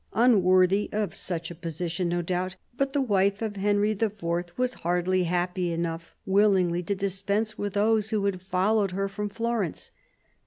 Unworthy of such a position, no doubt : but the wife of Henry IV. was hardly happy enough willingly to dispense with those who had followed her from Florence.